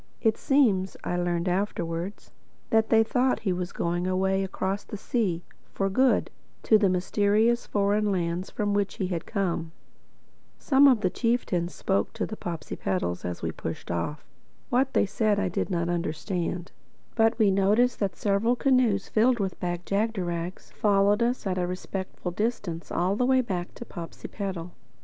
It seems (I learned this afterwards) that they thought he was going away across the sea, for good, to the mysterious foreign lands from which he had come. Some of the chieftains spoke to the Popsipetels as we pushed off. What they said I did not understand; but we noticed that several canoes filled with Bag jagderags followed us at a respectful distance all the way back to Popsipetel.